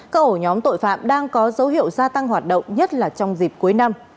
các ổ nhóm tội phạm đang có dấu hiệu gia tăng hoạt động nhất là trong dịp cuối năm